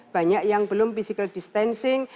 banyak yang belum physical distancing